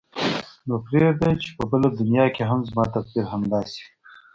نو پرېږده چې په بله دنیا کې هم زما تقدیر همداسې وي.